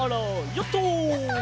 ヨット！